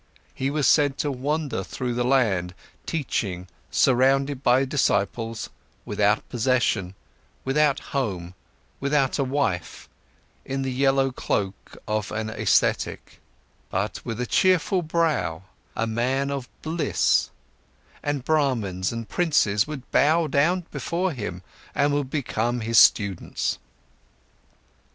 He was said to wander through the land, teaching, surrounded by disciples, without possession, without home, without a wife, in the yellow cloak of an ascetic, but with a cheerful brow, a man of bliss, and Brahmans and princes would bow down before him and would become his students.